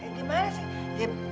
penat gimana ini mak